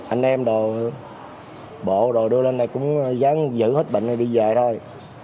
anh em đồ bộ đồ đưa lên đây cũng dám giữ hết bệnh rồi đi về thôi